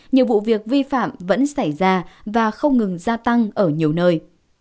nhiều vụ việc vi phạm vẫn xảy ra và không ngừng gia tăng ở nhiều nơi